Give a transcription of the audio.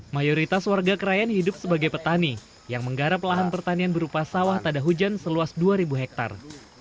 mayoritas warga krayan hidup sebagai petani yang menggarap lahan pertanian berupa sawah tada hujan seluas dua ribu hektare